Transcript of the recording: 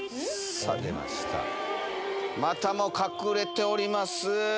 またも隠れております。